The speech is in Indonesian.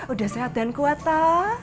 udah sehat dan kuat tak